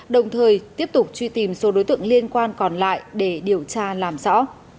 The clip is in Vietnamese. đồng thời tiếp tục truy tìm số đối tượng liên quan còn lại để điều tra làm rõ